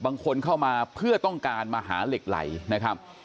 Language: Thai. บางคนเข้ามาเพื่อต้องการมาหาเหล็กไหลนะครับ